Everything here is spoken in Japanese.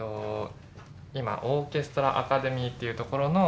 今オーケストラ・アカデミーっていうところの１期生。